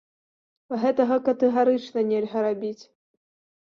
Гэтага катэгарычна нельга рабіць.